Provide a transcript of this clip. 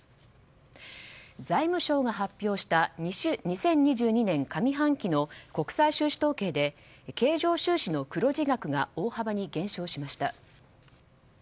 財務省が発表した２０２２年上半期の国際収支統計で経常収支の黒字額が大幅に減少しました。